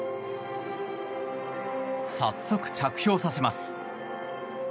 早速、着氷させます。